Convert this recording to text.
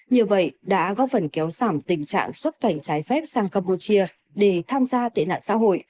như vậy đã góp phần kéo giảm tình trạng xuất cảnh trái phép sang campuchia để tham gia tệ nạn xã hội